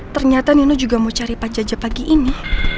ternyata nino juga mau cari pajajah pagi ini